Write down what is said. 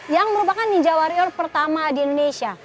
yang merupakan ninja warrior pertama di indonesia